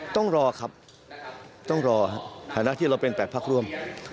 ต้องรอครับต้องรอฐานะที่เราเป็น๘พักร่วม